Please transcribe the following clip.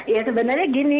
ya sebenarnya gini